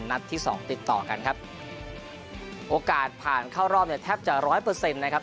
ที่สองติดต่อกันครับโอกาสผ่านเข้ารอบเนี่ยแทบจะร้อยเปอร์เซ็นต์นะครับ